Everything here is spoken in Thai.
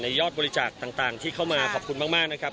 ยอดบริจาคต่างที่เข้ามาขอบคุณมากนะครับ